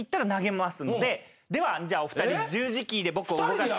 ではお二人十字キーで僕を動かして。